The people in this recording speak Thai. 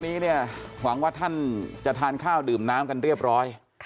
วันนี้เนี่ยหวังว่าท่านจะทานข้าวดื่มน้ำกันเรียบร้อย